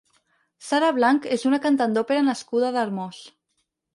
Sara Blanch és una cantant d'ópera nascuda a Darmós.